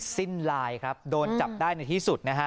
สิ้นลายครับโดนจับได้ในที่สุดนะฮะ